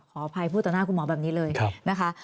ขออภัยพูดต่อหน้าคุณหมอแบบนี้เลยนะคะ